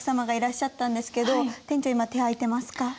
今手空いてますか？